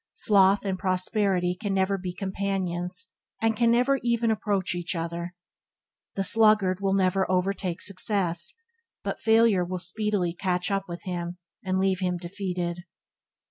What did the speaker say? Sloth and prosperity can never be companions can never even approach each other. The sluggard will never overtake success, but failure will speedily catch up with him, and leave him defeated.